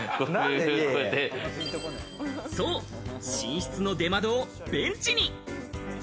そう、寝室の出窓をベンチに。